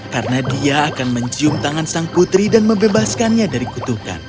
karena dia akan mencium tangan sang putri dan mebebaskannya dari kutukan